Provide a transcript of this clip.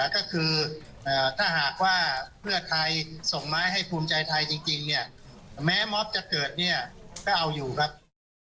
ก็คือถ้าหากว่าเพื่อไทยส่งไม้ให้ภูมิใจไทยจริงเนี่ยแม้มอบจะเกิดเนี่ยก็เอาอยู่ครับ